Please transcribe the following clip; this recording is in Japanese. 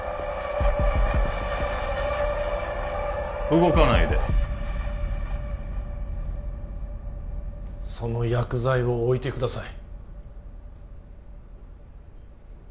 動かないでその薬剤を置いてください